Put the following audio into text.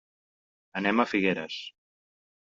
Anem a Figueres.